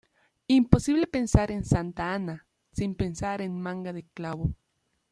Imposible pensar en Santa Anna sin pensar en Manga de Clavo.